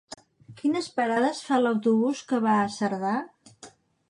Quines parades fa l'autobús que va a Cerdà?